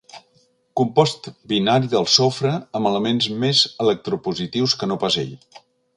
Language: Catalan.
Compost binari del sofre amb elements més electropositius que no pas ell.